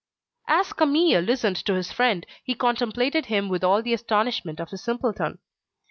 As Camille listened to his friend, he contemplated him with all the astonishment of a simpleton.